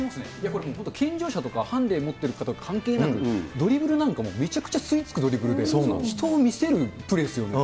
これやっぱり、健常者とかハンデ持っている方とか関係なく、ドリブルなんかもうめちゃくちゃ吸いつくドリブルで、人を見せつけるプレーですよね。